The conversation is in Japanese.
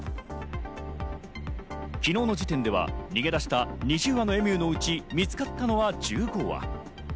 昨日の時点では逃げ出した２０羽のエミューのうち、見つかったのは１５羽。